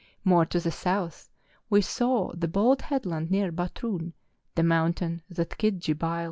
More to the south, we saw the bold headland near Batroun, the mountain that MONT LEBANON.